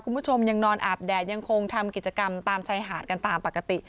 คุณผู้ชมยังนอนอาบแดดยังคงทำกิจกรรมตามชายหาดกันตามปกติ